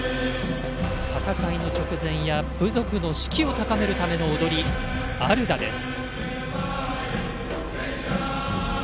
戦いの直前や部族の士気を高めるための踊りアルダです。